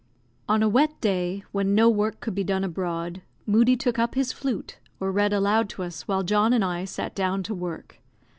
On a wet day, when no work could be done abroad, Moodie took up his flute, or read aloud to us, while John and I sat down to work.